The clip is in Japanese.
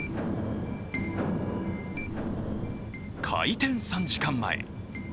開店３時間前。